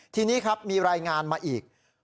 ทีนี้ครับมีรายงานมาอีก